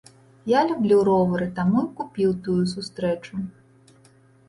Я люблю ровары, таму і купіў тую сустрэчу.